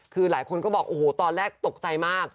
คือหลายคนก็บอกโอ้โหตอนแรกตกใจมาก